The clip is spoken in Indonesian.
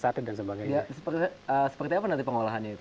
seperti apa nanti pengolahannya itu